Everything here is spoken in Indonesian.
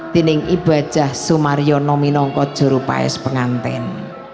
dining ibajah sumaryo nominongkot jurupais pengantin